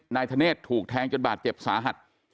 นายธเนธถูกแทงจนบาดเจ็บสาหัส